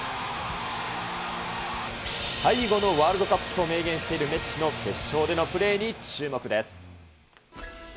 最後のワールドカップと明言しているメッシの決勝でのプレーに注目です。